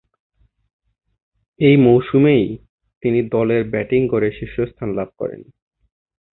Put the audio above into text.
ঐ মৌসুমেই তিনি দলের ব্যাটিং গড়ে শীর্ষস্থান লাভ করেন।